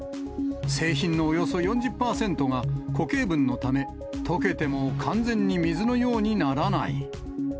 製品のおよそ４０％が、固形分のため、溶けても完全に水のようにならない。